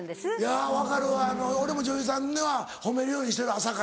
いや分かる俺も女優さんは褒めるようにしてる朝から。